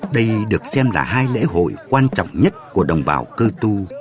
đây được xem là hai lễ hội quan trọng nhất của đồng bào cơ tu